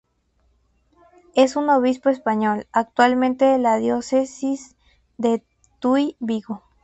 Es un obispo español, actualmente de la diócesis de Tuy-Vigo.